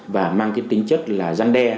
và mang cái tính chất là giăn đe